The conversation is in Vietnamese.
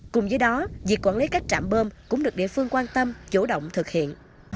cùng với đó việc quản lý các trạm bơm cũng được địa phương quan tâm chủ động thực hiện